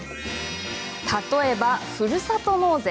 例えば、ふるさと納税。